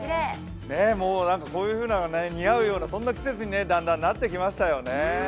もうこういうのが似合うような季節にだんだんなってきましたね。